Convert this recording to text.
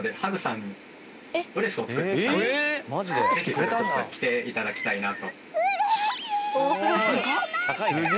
ちょっと着て頂きたいなと。